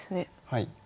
はい。